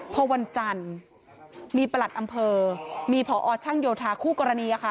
พอวันจันทร์มีประหลัดอำเภอมีผอช่างโยธาคู่กรณี